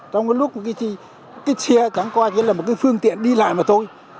trong lúc cái xe cắn qua là một cái phương tiện đi lại mà thôi